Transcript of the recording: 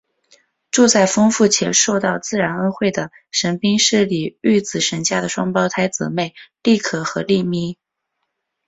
住在丰富且受到自然恩惠的神滨市里御子神家的双胞胎姊妹莉可和莉咪。